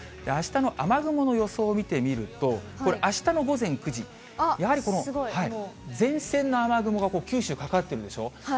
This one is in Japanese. あしたの雨雲の予想を見てみると、これ、あしたの午前９時、やはり前線の雨雲が九州かかってるでしょう？